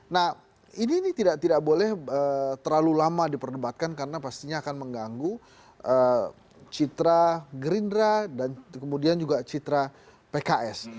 nah ini tidak boleh terlalu lama diperdebatkan karena pastinya akan mengganggu citra gerindra dan kemudian juga citra pks